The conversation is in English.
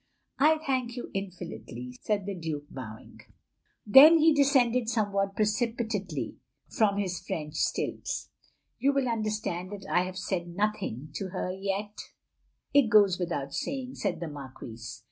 "" I thank you infinitely, " said the Duke, bowing. 3S6 THE LONELY LADY Then he descended somewhat precipitately from his French stilts. "You will understand that I have said nothing to her yet. "It goes without saying, " said the Marquise.